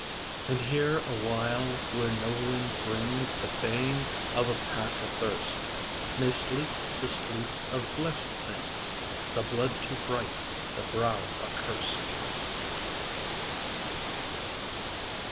And here a while, where no wind brings The baying of a pack athirst, May sleep the sleep of blessed things, The blood too bright, the brow accurst.